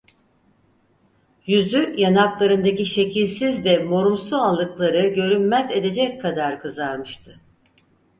Yüzü, yanaklarındaki şekilsiz ve morumsu allıkları görünmez edecek kadar kızarmıştı.